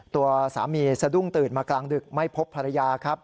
ตัวสามีสะดุ้งตื่นมากลางดึกไม่พบภรรยาครับ